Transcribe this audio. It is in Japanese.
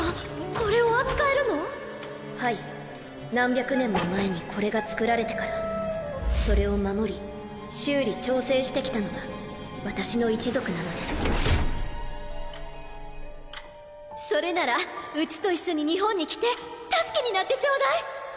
これを扱えるのはい何百年も前にこれが造られてからそれを守り修理調整して来たのが私の一族なのですそれならうちと一緒に日本に来て助けになってちょうだい！